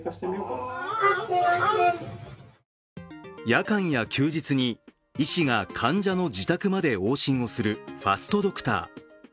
夜間や休日に医師が患者の自宅まで往診をするファストドクター。